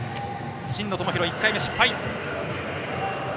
真野友博、１回目失敗。